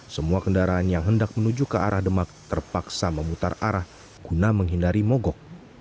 semua kendaraan yang hendak menuju ke arah demak terpaksa memutar arah guna menghindari mogok